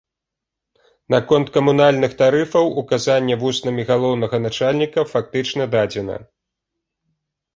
Наконт камунальных тарыфаў указанне вуснамі галоўнага начальніка фактычна дадзена.